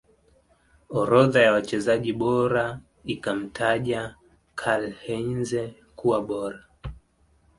orodha ya wachezaji bora ikamtaja KarlHeinze kuwa bora